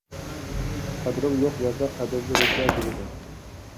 قەدرىڭ يوق يەردە قەدەملىرىڭگە نېمە بار؟